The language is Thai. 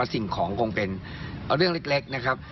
สิ่งของคงเป็นเรื่องเล็กนะครับ